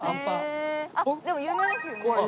へえあっでも有名ですよね。